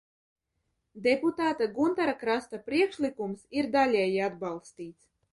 Deputāta Guntara Krasta priekšlikums ir daļēji atbalstīts.